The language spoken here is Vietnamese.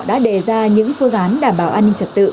đã đề ra những cố gắng đảm bảo an ninh trật tự